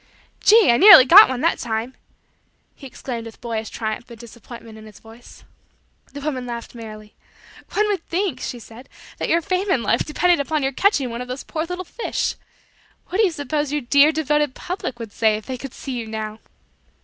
"Gee! I nearly got one that time!" He exclaimed with boyish triumph and disappointment in his voice. The woman laughed merrily. "One would think," she said, "that your fame in life depended upon your catching one of those poor little fish. What do you suppose your dear, devoted, public would say if they could see you now?"